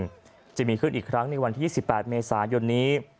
มีคุณอีกขึ้นอีกครั้งวันที่๒๘เหมษาฝรดียนนี้